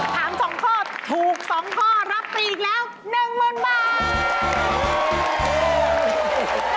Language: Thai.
ถาม๒ข้อถูก๒ข้อรับไปอีกแล้ว๑๐๐๐บาท